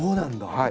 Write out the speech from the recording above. はい。